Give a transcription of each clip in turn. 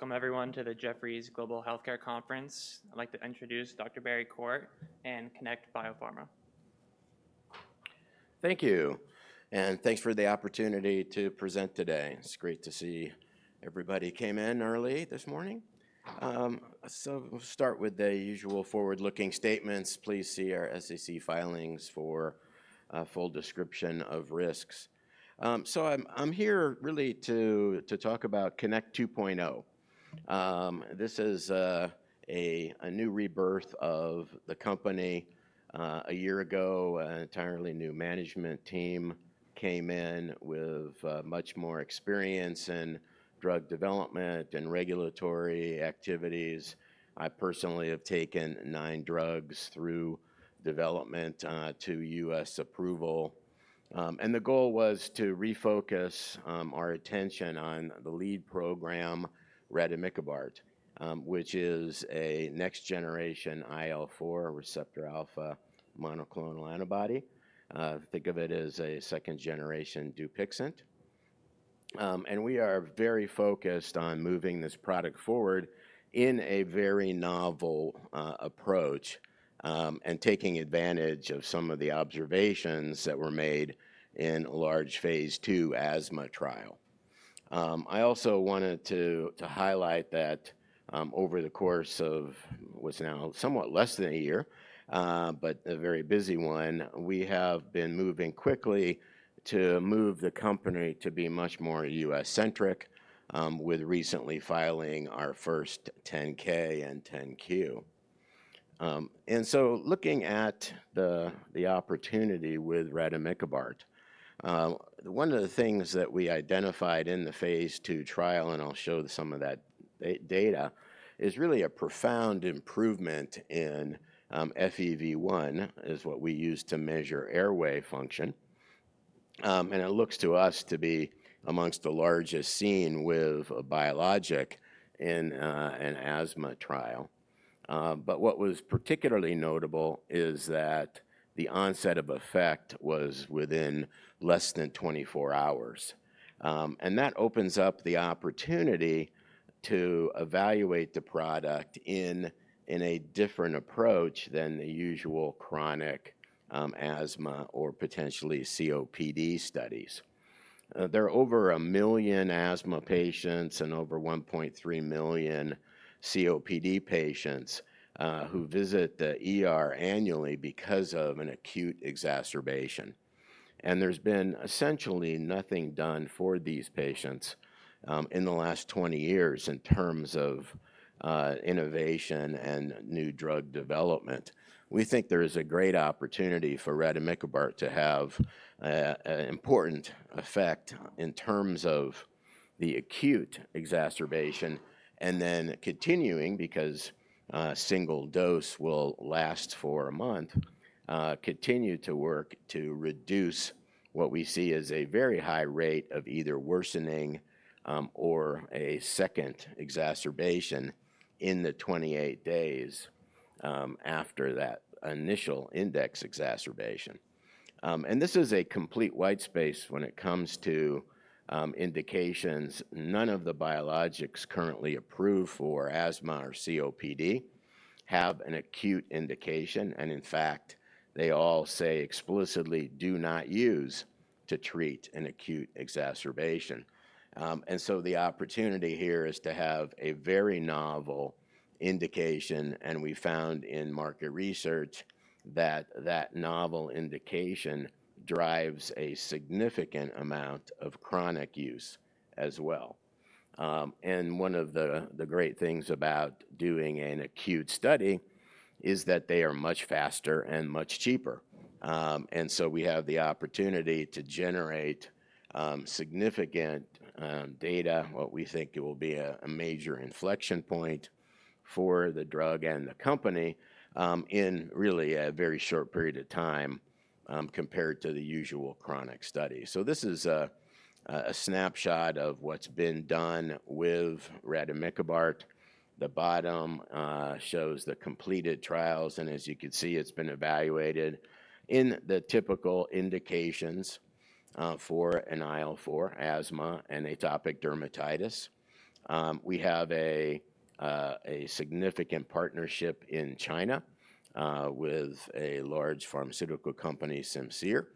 Welcome, everyone, to the Jefferies Global Healthcare Conference. I'd like to introduce Dr. Barry Quart and Connect Biopharma. Thank you, and thanks for the opportunity to present today. It's great to see everybody came in early this morning. We'll start with the usual forward-looking statements. Please see our SEC filings for a full description of risks. I'm here really to talk about Connect 2.0. This is a new rebirth of the company. A year ago, an entirely new management team came in with much more experience in drug development and regulatory activities. I personally have taken nine drugs through development to U.S. approval. The goal was to refocus our attention on the lead program, rademikibart, which is a next-generation IL-4 receptor alpha monoclonal antibody. Think of it as a second-generation Dupilumab. We are very focused on moving this product forward in a very novel approach and taking advantage of some of the observations that were made in a large phase 2 asthma trial. I also wanted to highlight that over the course of what's now somewhat less than a year, but a very busy one, we have been moving quickly to move the company to be much more U.S.-centric, with recently filing our first 10K and 10Q. Looking at the opportunity with rademikibart, one of the things that we identified in the phase two trial, and I'll show some of that data, is really a profound improvement in FEV1, which is what we use to measure airway function. It looks to us to be amongst the largest seen with a biologic in an asthma trial. What was particularly notable is that the onset of effect was within less than 24 hours. That opens up the opportunity to evaluate the product in a different approach than the usual chronic asthma or potentially COPD studies. There are over a million asthma patients and over 1.3 million COPD patients who visit the annually because of an acute exacerbation. There has been essentially nothing done for these patients in the last 20 years in terms of innovation and new drug development. We think there is a great opportunity for rademikibart to have an important effect in terms of the acute exacerbation and then continuing, because a single dose will last for a month, continue to work to reduce what we see as a very high rate of either worsening or a second exacerbation in the 28 days after that initial index exacerbation. This is a complete white space when it comes to indications. None of the biologics currently approved for asthma or COPD have an acute indication. In fact, they all say explicitly, "Do not use to treat an acute exacerbation." The opportunity here is to have a very novel indication. We found in market research that that novel indication drives a significant amount of chronic use as well. One of the great things about doing an acute study is that they are much faster and much cheaper. We have the opportunity to generate significant data, what we think will be a major inflection point for the drug and the company in really a very short period of time compared to the usual chronic studies. This is a snapshot of what's been done with rademikibart. The bottom shows the completed trials. As you can see, it's been evaluated in the typical indications for an IL-4 asthma and atopic dermatitis. We have a significant partnership in China with a large pharmaceutical company Simcere,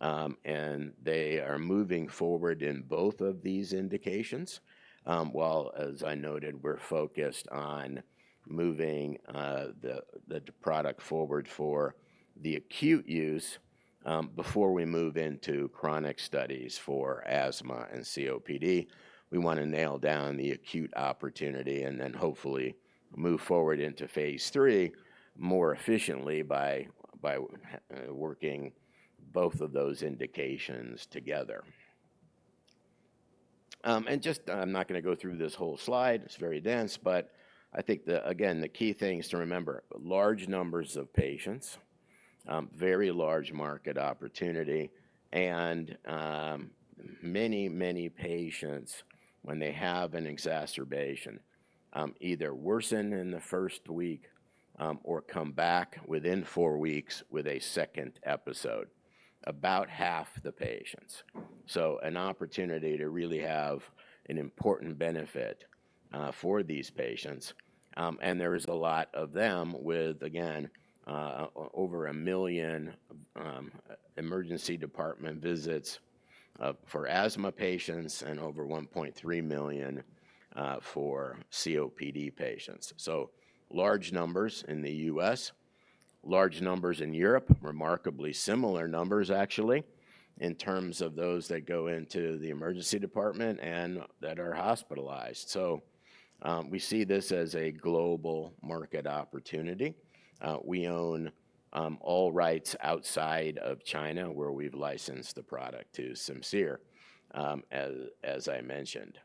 They are moving forward in both of these indications. While, as I noted, we're focused on moving the product forward for the acute use before we move into chronic studies for asthma and COPD. We want to nail down the acute opportunity and then hopefully move forward into phase three more efficiently by working both of those indications together. I'm not going to go through this whole slide. It's very dense. I think, again, the key thing is to remember large numbers of patients, very large market opportunity, and many, many patients, when they have an exacerbation, either worsen in the first week or come back within four weeks with a second episode. About half the patients. An opportunity to really have an important benefit for these patients. There is a lot of them with, again, over a million emergency department visits for asthma patients and over 1.3 million for COPD patients. Large numbers in the U.S., large numbers in Europe, remarkably similar numbers, actually, in terms of those that go into the emergency department and that are hospitalized. We see this as a global market opportunity. We own all rights outside of China where we've licensed the product to Simcere, as I mentioned.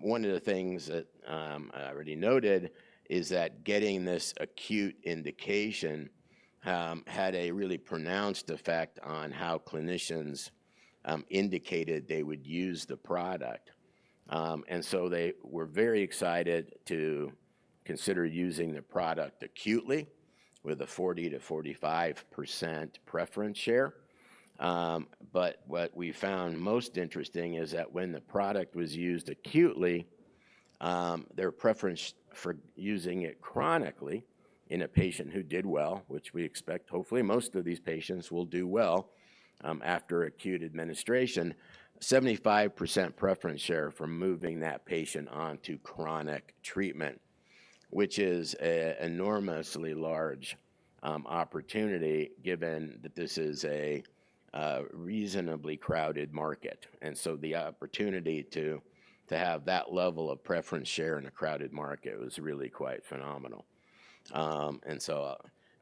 One of the things that I already noted is that getting this acute indication had a really pronounced effect on how clinicians indicated they would use the product. They were very excited to consider using the product acutely with a 40%-45% preference share. What we found most interesting is that when the product was used acutely, their preference for using it chronically in a patient who did well, which we expect hopefully most of these patients will do well after acute administration, 75% preference share for moving that patient on to chronic treatment, which is an enormously large opportunity given that this is a reasonably crowded market. The opportunity to have that level of preference share in a crowded market was really quite phenomenal.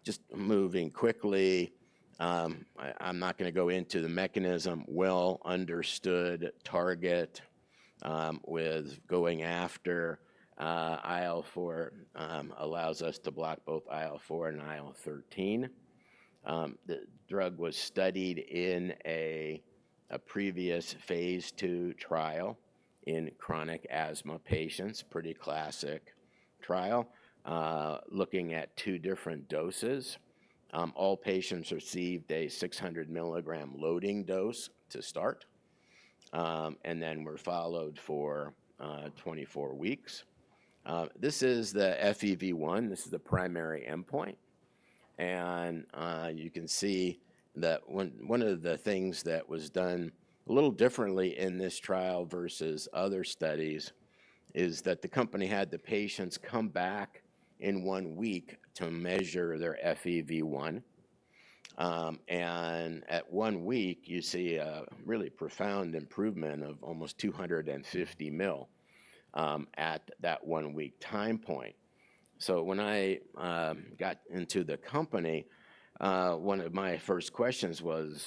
Just moving quickly, I'm not going to go into the mechanism. Well-understood target with going after IL-4 allows us to block both IL-4 and IL-13. The drug was studied in a previous phase 2 trial in chronic asthma patients, pretty classic trial, looking at two different doses. All patients received a 600 mg loading dose to start and then were followed for 24 weeks. This is the FEV1. This is the primary endpoint. You can see that one of the things that was done a little differently in this trial versus other studies is that the company had the patients come back in one week to measure their FEV1. At one week, you see a really profound improvement of almost 250 mL at that one-week time point. When I got into the company, one of my first questions was,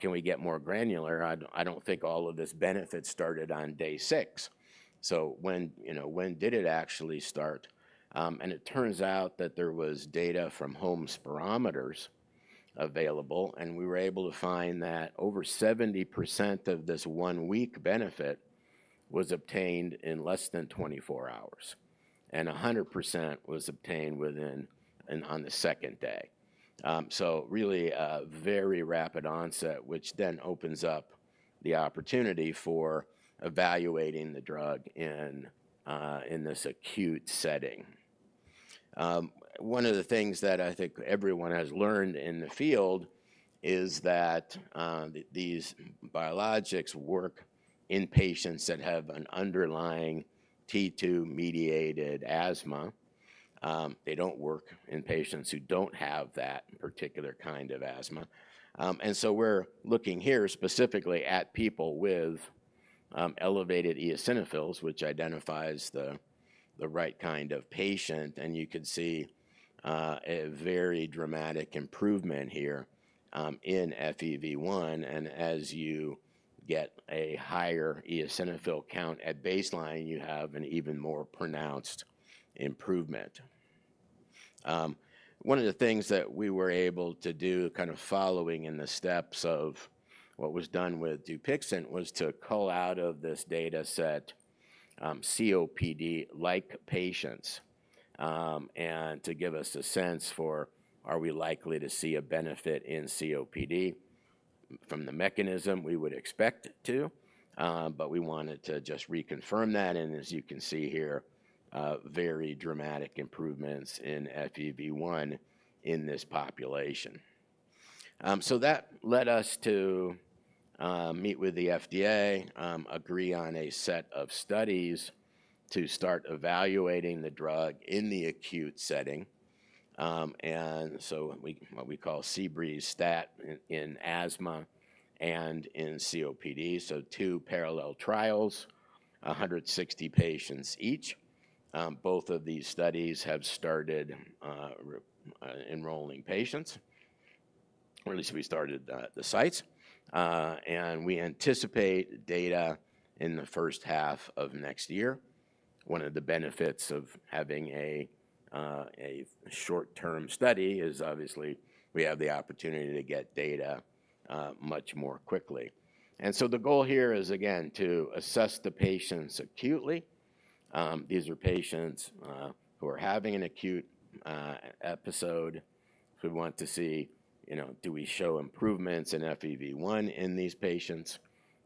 can we get more granular? I do not think all of this benefit started on day six. When did it actually start? It turns out that there was data from home spirometers available. We were able to find that over 70% of this one-week benefit was obtained in less than 24 hours. 100% was obtained within and on the second day. Really a very rapid onset, which then opens up the opportunity for evaluating the drug in this acute setting. One of the things that I think everyone has learned in the field is that these biologics work in patients that have an underlying T2-mediated asthma. They do not work in patients who do not have that particular kind of asthma. We are looking here specifically at people with elevated eosinophils, which identifies the right kind of patient. You can see a very dramatic improvement here in FEV1. As you get a higher eosinophil count at baseline, you have an even more pronounced improvement. One of the things that we were able to do, kind of following in the steps of what was done with Dupilumab, was to call out of this data set COPD-like patients and to give us a sense for are we likely to see a benefit in COPD from the mechanism we would expect to. We wanted to just reconfirm that. As you can see here, very dramatic improvements in FEV1 in this population. That led us to meet with the FDA, agree on a set of studies to start evaluating the drug in the acute setting. What we call CBREST in asthma and in COPD. Two parallel trials, 160 patients each. Both of these studies have started enrolling patients, or at least we started the sites. We anticipate data in the first half of next year. One of the benefits of having a short-term study is obviously we have the opportunity to get data much more quickly. The goal here is, again, to assess the patients acutely. These are patients who are having an acute episode. We want to see, do we show improvements in FEV1 in these patients?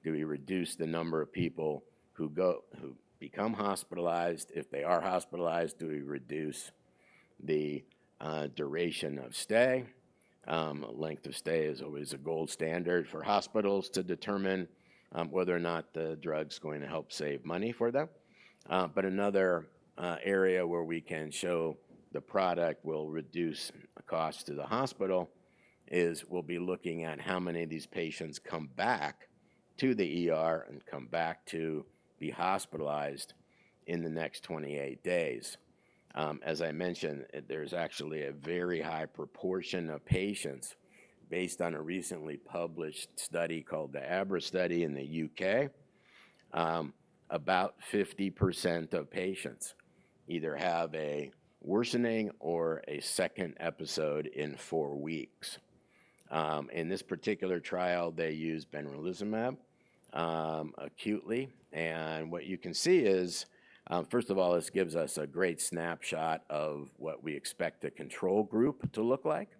Do we reduce the number of people who become hospitalized? If they are hospitalized, do we reduce the duration of stay? Length of stay is always a gold standard for hospitals to determine whether or not the drug's going to help save money for them. Another area where we can show the product will reduce cost to the hospital is we'll be looking at how many of these patients come back to and come back to be hospitalized in the next 28 days. As I mentioned, there's actually a very high proportion of patients based on a recently published study called the ABRA study in the U.K. About 50% of patients either have a worsening or a second episode in four weeks. In this particular trial, they used Benralizumab acutely. What you can see is, first of all, this gives us a great snapshot of what we expect the control group to look like.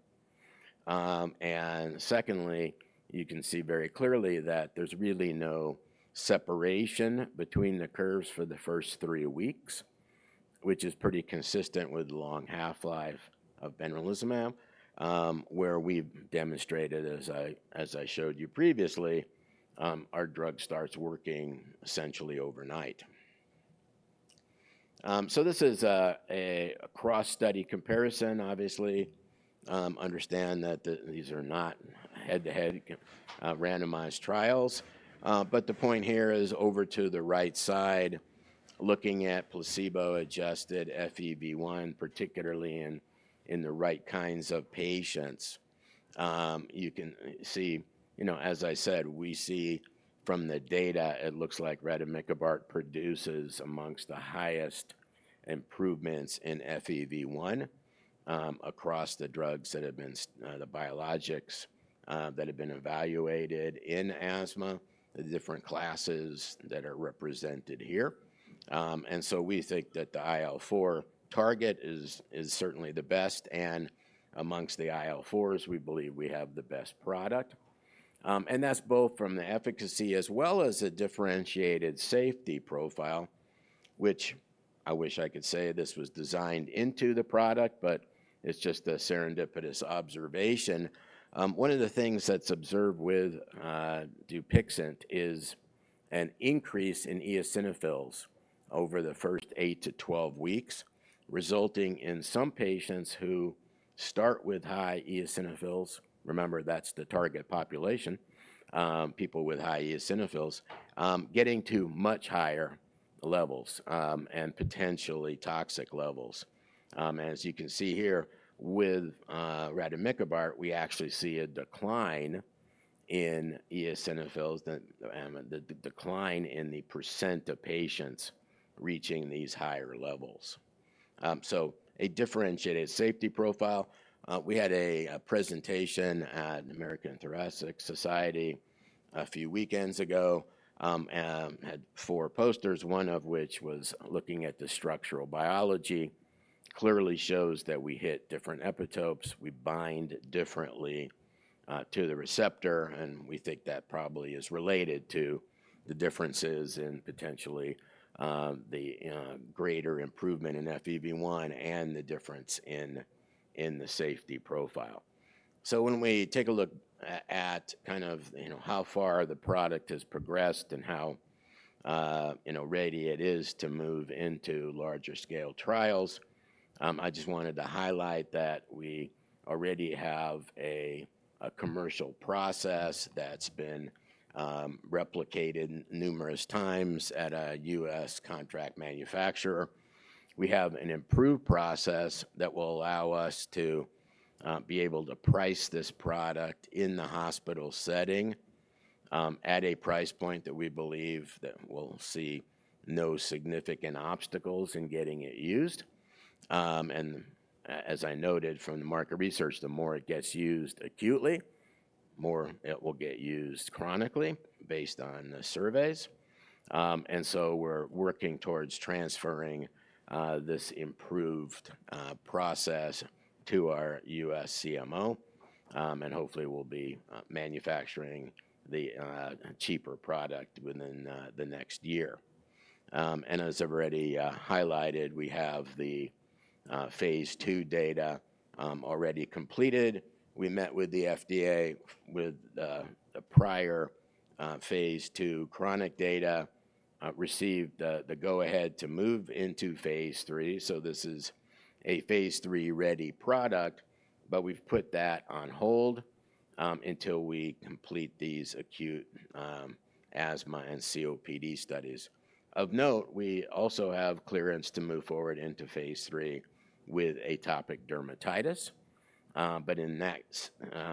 Secondly, you can see very clearly that there's really no separation between the curves for the first three weeks, which is pretty consistent with the long half-life of Benralizumab, where we've demonstrated, as I showed you previously, our drug starts working essentially overnight. This is a cross-study comparison, obviously. Understand that these are not head-to-head randomized trials. The point here is over to the right side, looking at placebo-adjusted FEV1, particularly in the right kinds of patients. You can see, as I said, we see from the data, it looks like rademikibart produces amongst the highest improvements in FEV1 across the drugs that have been the biologics that have been evaluated in asthma, the different classes that are represented here. We think that the IL-4 target is certainly the best. Amongst the IL-4s, we believe we have the best product. That is both from the efficacy as well as a differentiated safety profile, which I wish I could say this was designed into the product, but it is just a serendipitous observation. One of the things that's observed with Dupilumab is an increase in eosinophils over the first 8-12 weeks, resulting in some patients who start with high eosinophils—remember, that's the target population—people with high eosinophils getting to much higher levels and potentially toxic levels. As you can see here, with rademikibart, we actually see a decline in eosinophils and a decline in the % of patients reaching these higher levels. So a differentiated safety profile. We had a presentation at American Thoracic Society a few weekends ago and had four posters, one of which was looking at the structural biology. Clearly shows that we hit different epitopes. We bind differently to the receptor. We think that probably is related to the differences in potentially the greater improvement in FEV1 and the difference in the safety profile. When we take a look at kind of how far the product has progressed and how ready it is to move into larger-scale trials, I just wanted to highlight that we already have a commercial process that's been replicated numerous times at a U.S. contract manufacturer. We have an improved process that will allow us to be able to price this product in the hospital setting at a price point that we believe that we'll see no significant obstacles in getting it used. As I noted from the market research, the more it gets used acutely, the more it will get used chronically based on the surveys. We are working towards transferring this improved process to our U.S. CMO. Hopefully, we'll be manufacturing the cheaper product within the next year. As I've already highlighted, we have the phase two data already completed. We met with the FDA with the prior phase two chronic data, received the go-ahead to move into phase three. This is a phase three-ready product. We have put that on hold until we complete these acute asthma and COPD studies. Of note, we also have clearance to move forward into phase three with atopic dermatitis. In that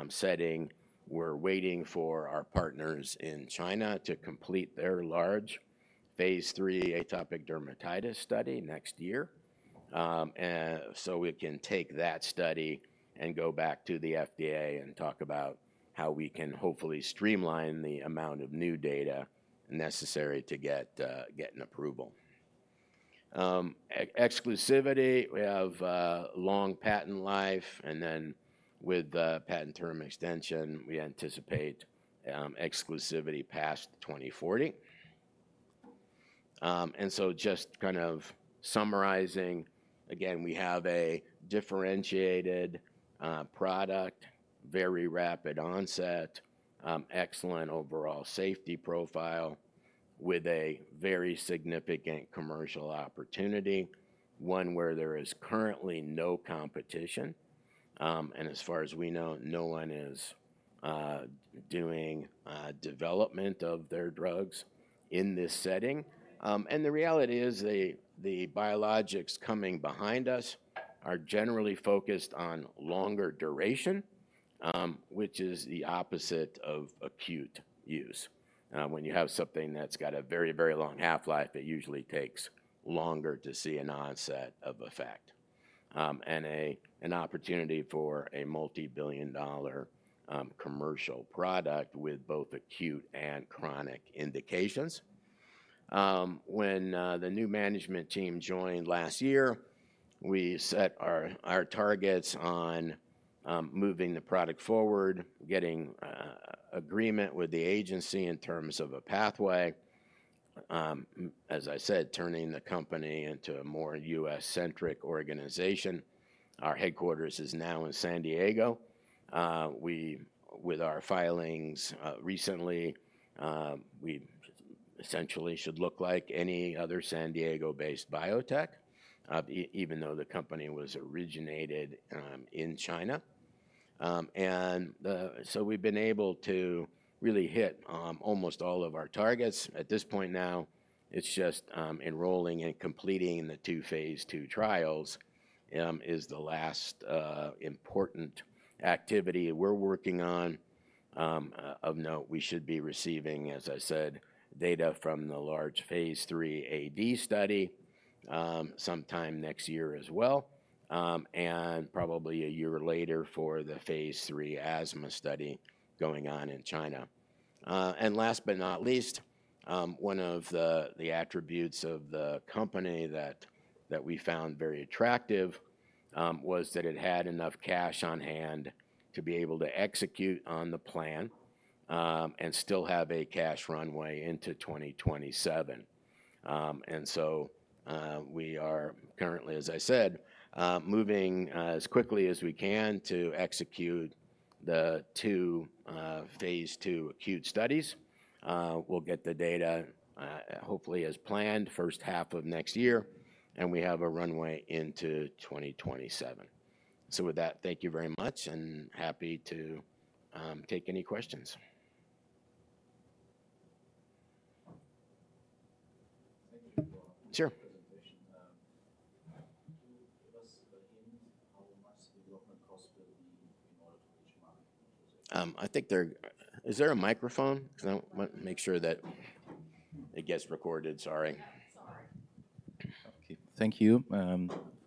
setting, we are waiting for our partners in China to complete their large phase three atopic dermatitis study next year. We can take that study and go back to the FDA and talk about how we can hopefully streamline the amount of new data necessary to get an approval. Exclusivity, we have long patent life. With the patent term extension, we anticipate exclusivity past 2040. Just kind of summarizing, again, we have a differentiated product, very rapid onset, excellent overall safety profile with a very significant commercial opportunity, one where there is currently no competition. As far as we know, no one is doing development of their drugs in this setting. The reality is the biologics coming behind us are generally focused on longer duration, which is the opposite of acute use. When you have something that's got a very, very long half-life, it usually takes longer to see an onset of effect. An opportunity for a multi-billion dollar commercial product with both acute and chronic indications. When the new management team joined last year, we set our targets on moving the product forward, getting agreement with the agency in terms of a pathway. As I said, turning the company into a more U.S.-centric organization. Our headquarters is now in San Diego. With our filings recently, we essentially should look like any other San Diego-based biotech, even though the company was originated in China. We have been able to really hit almost all of our targets. At this point now, it's just enrolling and completing the two phase 2 trials is the last important activity we're working on. Of note, we should be receiving, as I said, data from the large phase 3 AD study sometime next year as well. Probably a year later for the phase 3 asthma study going on in China. Last but not least, one of the attributes of the company that we found very attractive was that it had enough cash on hand to be able to execute on the plan and still have a cash runway into 2027. We are currently, as I said, moving as quickly as we can to execute the two phase 2 acute studies. We'll get the data hopefully as planned first half of next year. We have a runway into 2027. With that, thank you very much. Happy to take any questions. Sure. Is there a microphone? I want to make sure that it gets recorded. Sorry. Thank you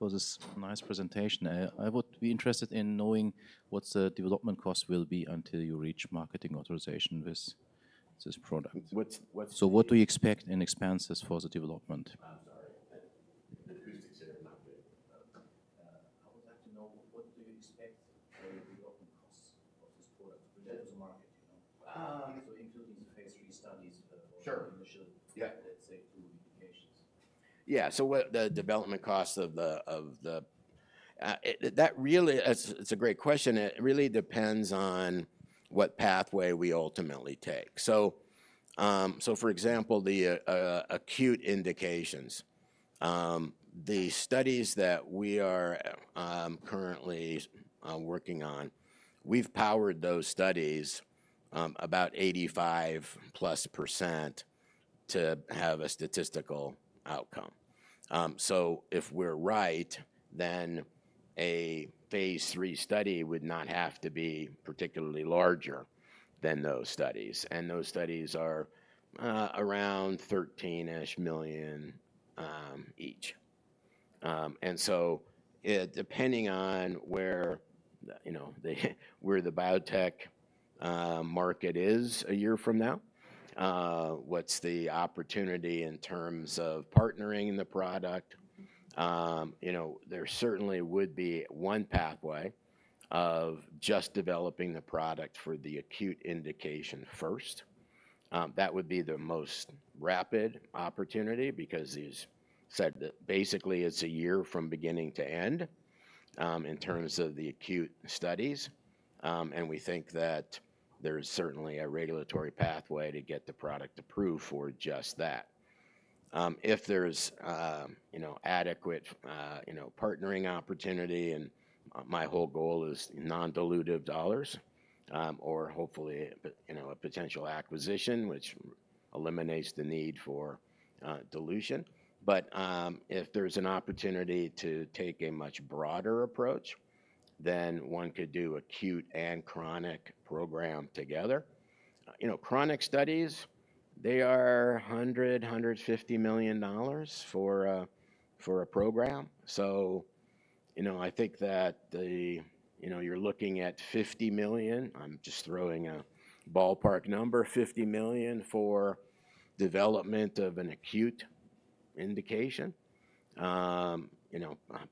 for this nice presentation. I would be interested in knowing what the development cost will be until you reach marketing authorization with this product. What do you expect in expenses for the development? Yeah. The development cost of that really is a great question. It really depends on what pathway we ultimately take. For example, the acute indications, the studies that we are currently working on, we've powered those studies about 85% plus to have a statistical outcome. If we're right, then a phase three study would not have to be particularly larger than those studies. Those studies are around $13 million each. Depending on where the biotech market is a year from now, what's the opportunity in terms of partnering in the product, there certainly would be one pathway of just developing the product for the acute indication first. That would be the most rapid opportunity because as I said, basically, it's a year from beginning to end in terms of the acute studies. We think that there's certainly a regulatory pathway to get the product approved for just that. If there's adequate partnering opportunity and my whole goal is non-dilutive dollars or hopefully a potential acquisition, which eliminates the need for dilution. If there's an opportunity to take a much broader approach, then one could do acute and chronic program together. Chronic studies, they are $100 million-$150 million for a program. I think that you're looking at $50 million. I'm just throwing a ballpark number, $50 million for development of an acute indication,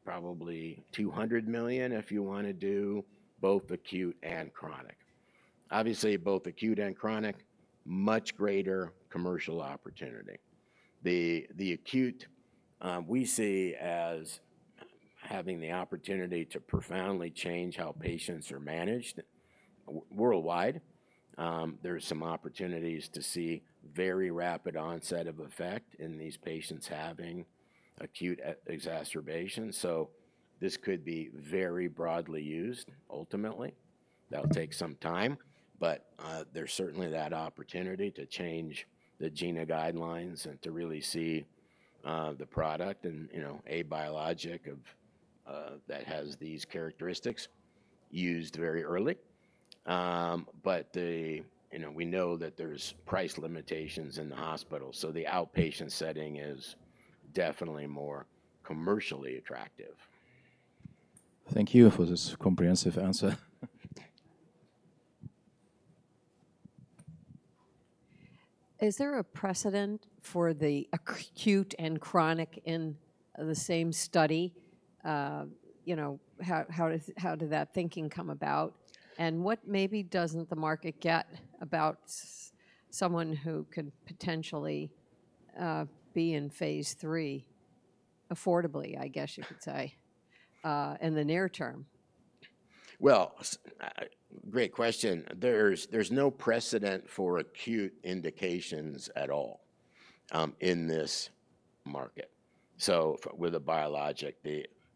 probably $200 million if you want to do both acute and chronic. Obviously, both acute and chronic, much greater commercial opportunity. The acute we see as having the opportunity to profoundly change how patients are managed worldwide. There are some opportunities to see very rapid onset of effect in these patients having acute exacerbations. This could be very broadly used ultimately. That'll take some time. There's certainly that opportunity to change the GINA guidelines and to really see the product and a biologic that has these characteristics used very early. We know that there's price limitations in the hospital. The outpatient setting is definitely more commercially attractive. Thank you for this comprehensive answer. Is there a precedent for the acute and chronic in the same study? How did that thinking come about? What maybe doesn't the market get about someone who could potentially be in phase three affordably, I guess you could say, in the near term? Great question. There's no precedent for acute indications at all in this market. With a biologic,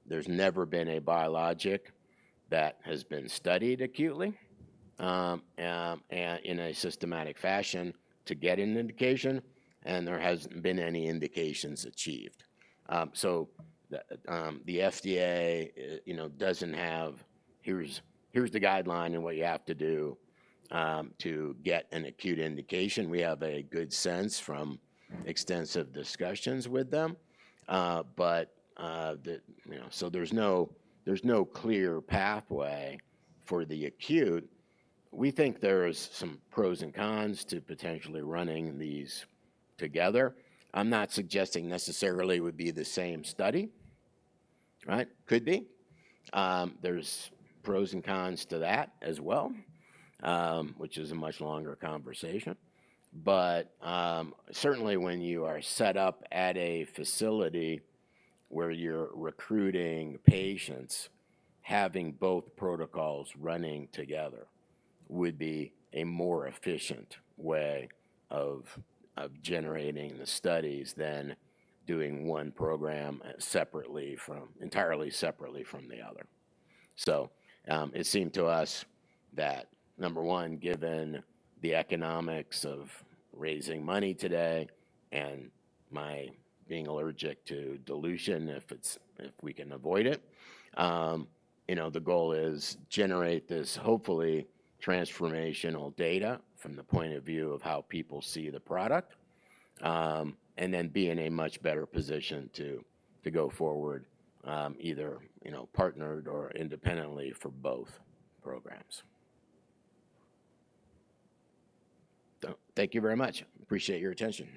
there's never been a biologic that has been studied acutely in a systematic fashion to get an indication. There has not been any indications achieved. The FDA does not have, "Here's the guideline and what you have to do to get an acute indication." We have a good sense from extensive discussions with them. There is no clear pathway for the acute. We think there are some pros and cons to potentially running these together. I am not suggesting necessarily it would be the same study. Right? Could be. There are pros and cons to that as well, which is a much longer conversation. Certainly, when you are set up at a facility where you are recruiting patients, having both protocols running together would be a more efficient way of generating the studies than doing one program entirely separately from the other. It seemed to us that, number one, given the economics of raising money today and my being allergic to dilution, if we can avoid it, the goal is to generate this hopefully transformational data from the point of view of how people see the product and then be in a much better position to go forward either partnered or independently for both programs. Thank you very much. Appreciate your attention.